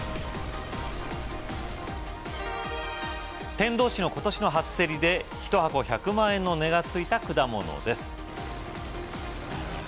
天童市の今年の初競りで１箱１００万円の値がついた果物です